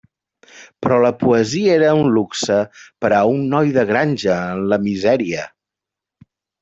Però la poesia era un luxe per a un noi de granja en la misèria.